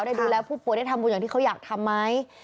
ได้ดูแลผู้ป่วยได้ทำบุญอย่างที่เขาอยากทำไหม